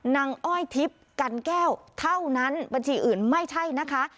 อ้อยทิพย์กันแก้วเท่านั้นบัญชีอื่นไม่ใช่นะคะ